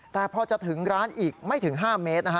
แต่พอจะถึงร้านอีกไม่ถึง๕เมตรนะฮะ